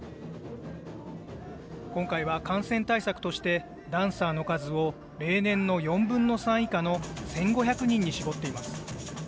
今回は感染対策として、ダンサーの数を例年の４分の３以下の１５００人に絞っています。